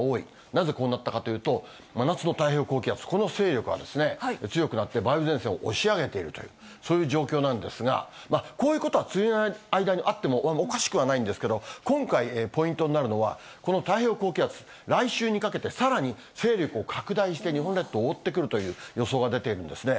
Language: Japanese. なぜこうなったかというと、真夏の太平洋高気圧、この勢力は強くなって梅雨前線を押し上げているという、そういう状況なんですが、こういうことは梅雨の間にあってもおかしくはないんですけど、今回、ポイントになるのは、この太平洋高気圧、来週にかけてさらに勢力を拡大して日本列島を覆ってくるという予想が出ているんですね。